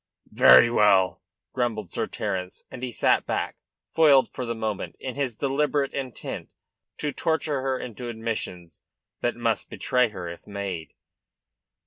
"Very well," grumbled Sir Terence, and he sat back, foiled for the moment in his deliberate intent to torture her into admissions that must betray her if made.